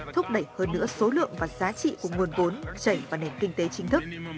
thúc đẩy hơn nữa số lượng và giá trị của nguồn vốn chảy vào nền kinh tế chính thức